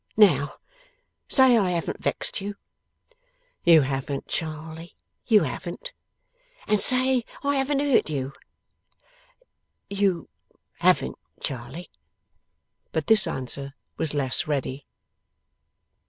Now, say I haven't vexed you.' 'You haven't, Charley, you haven't.' 'And say I haven't hurt you.' 'You haven't, Charley.' But this answer was less ready.